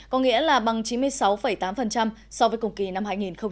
có nghĩa là bằng chín mươi sáu tám so với cùng kỳ năm hai nghìn một mươi tám